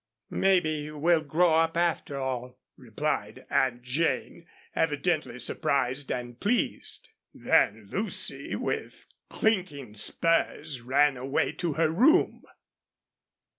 "Maybe you will grow up, after all," replied Aunt Jane, evidently surprised and pleased. Then Lucy with clinking spurs ran away to her room.